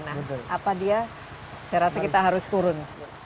nah apa dia saya rasa kita harus turun